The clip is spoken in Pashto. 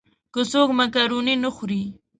که څوک مېکاروني نه خوري.